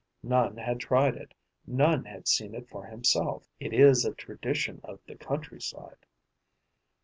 None had tried it, none had seen it for himself. It is a tradition of the country side.